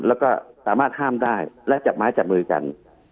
แล้วก็สามารถห้ามได้และจับไม้จับมือกัน